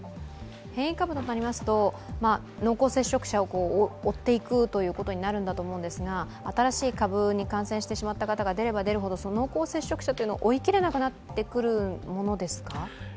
変異株となりますと、濃厚接触者を追っていくということになるんだと思うんですが、新しい株に感染してしまった方が出れば出るほど、濃厚接触者は追いきれなくなってくるものですか？